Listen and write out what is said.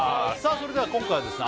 それでは今回はですね